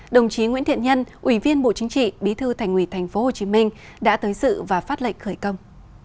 đồng chí nguyễn thiện nhân ủy viên bộ chính trị bí thư thành ủy tp hcm đã tới sự và phát lệnh khởi công